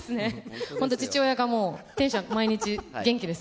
父親がテンション、毎日元気です。